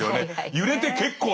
揺れて結構だ。